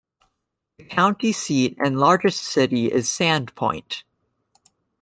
The county seat and largest city is Sandpoint.